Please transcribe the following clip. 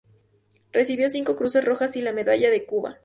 Recibió cinco cruces Rojas y la medalla de Cuba.